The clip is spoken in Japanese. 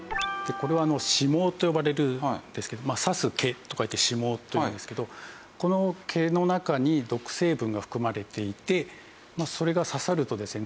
これは「刺毛」と呼ばれるんですけど「刺す毛」と書いて「刺毛」と読むんですけどこの毛の中に毒性分が含まれていてそれが刺さるとですね